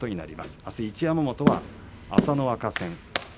あす一山本は朝乃若戦。